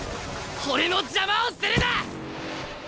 俺の邪魔をするな！